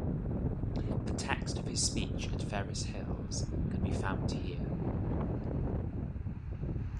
The text of his speech at Ferris Hills can be found here.